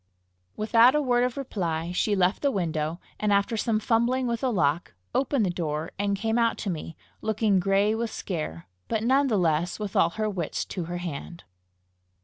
Without a word of reply, she left the window, and after some fumbling with the lock, opened the door, and came out to me, looking gray with scare, but none the less with all her wits to her hand.